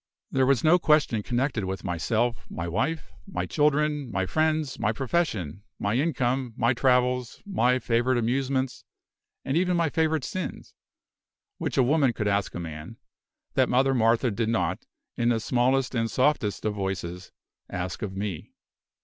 There was no question connected with myself, my wife, my children, my friends, my profession, my income, my travels, my favorite amusements, and even my favorite sins, which a woman could ask a man, that Mother Martha did not, in the smallest and softest of voices, ask of me.